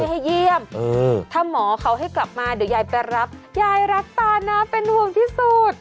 ให้เยี่ยมถ้าหมอเขาให้กลับมาเดี๋ยวยายไปรับยายรักตานะเป็นห่วงที่สุด